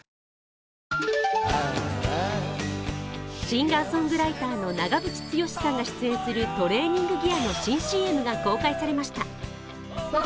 シンガーソングライターの長渕剛さんが出演するトレーニング・ギアの新ＣＭが公開されました。